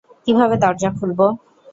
কিভাবে দরজা খুলব?